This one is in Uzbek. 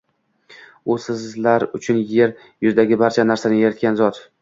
U sizlar uchun yer yuzidagi barcha narsani yaratgan zot.